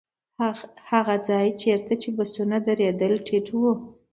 هغه ځای چېرته چې بسونه ودرېدل ټيټ و.